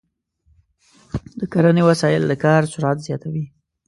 د کرنې وسایل د کار سرعت زیاتوي.